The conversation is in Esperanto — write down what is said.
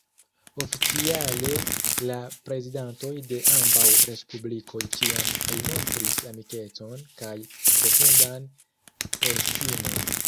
Oficiale la prezidantoj de ambaŭ respublikoj ĉiam elmontris amikecon kaj profundan estimon.